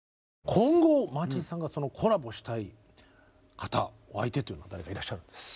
今後マーチンさんがコラボしたい方お相手というのは誰かいらっしゃるんですか？